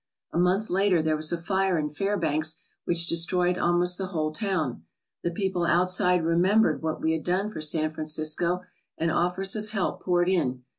A month later there was a fire in Fairbanks which destroyed almost the whole town. The people outside remembered what we had done for San Francisco, and offers of help poured in.